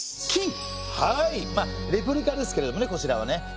はいレプリカですけれどねこちらはね。